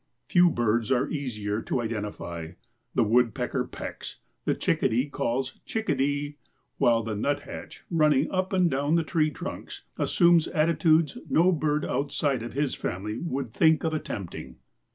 "Few birds are easier to identify: the woodpecker pecks, the chickadee calls 'chickadee,' while the nuthatch, running up and down the tree trunks, assumes attitudes no bird outside of his family would think of attempting."